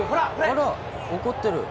あら、怒ってる。